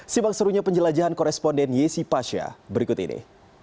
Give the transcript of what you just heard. simak serunya penjelajahan koresponden yesi pasha berikut ini